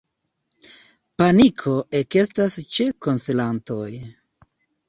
Paniko ekestas ĉe konsilantoj.